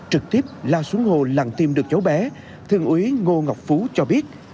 trực tiếp lao xuống hồ làng tìm được cháu bé thường úy ngô ngọc phú cho biết